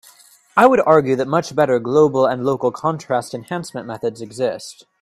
I would argue that much better global and local contrast enhancement methods exist.